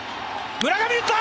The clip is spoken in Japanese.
村上、打った！